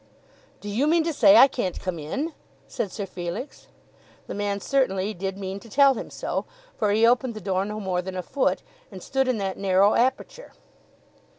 "Do you mean to say I can't come in?" said Sir Felix. The man certainly did mean to tell him so, for he opened the door no more than a foot, and stood in that narrow aperture.